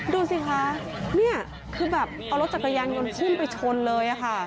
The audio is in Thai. ดูสิคะนี่คือแบบเอารถจักรยานยนต์พุ่งไปชนเลยค่ะ